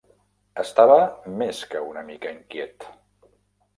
Estava més que una mica inquiet.